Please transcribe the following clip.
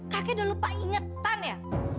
kakek udah lupa ingetan ya